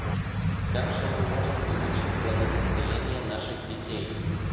Как же мы можем улучшить благосостояние наших детей?